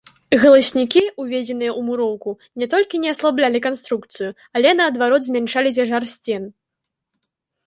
Галаснікі, уведзеныя ў муроўку, не толькі не аслаблялі канструкцыю, але наадварот, змяншалі цяжар сцен.